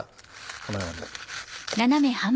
このように。